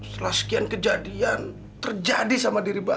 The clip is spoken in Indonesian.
setelah sekian kejadian terjadi sama diri bapak